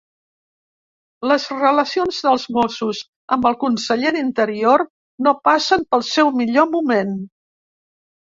Les relacions dels Mossos amb el Conseller d'Interior no passen pel seu millor moment.